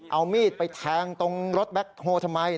เอามีดไปแทงตรงรถแบ็คโฮลทำไม